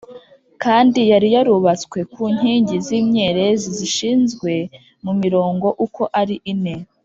Kandi yari yubatswe ku nkingi z’imyerezi zishinzwe mu mirongo uko ari ine